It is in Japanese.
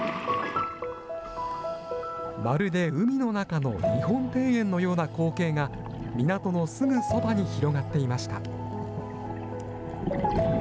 まるで海の中の日本庭園のような光景が、港のすぐそばに広がっていました。